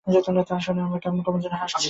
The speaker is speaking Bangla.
তা শুনে এমন করে হাসে যেন ঠাট্টা করছি।